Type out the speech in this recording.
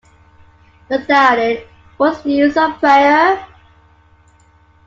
Without it, what is the use of prayer?